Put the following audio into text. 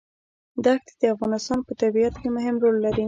دښتې د افغانستان په طبیعت کې مهم رول لري.